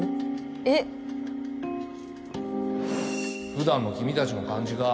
えっ普段の君達の感じが